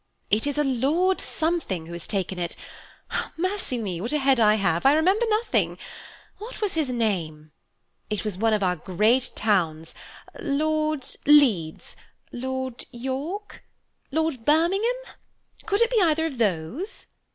"It is a Lord Something who has taken it. Mercy me, what a head I have, I remember nothing! What was his name? It was one of our great towns, Lord Leeds, Lord York, Lord Birmingham–could it be either of those?"